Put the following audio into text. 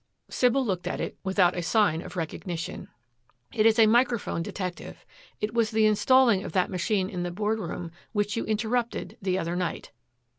Sybil looked at it without a sign of recognition. "It is a microphone detective. It was the installing of that machine in the board room which you interrupted the other night."